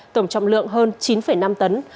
tổng trọng lượng hơn chín năm tấn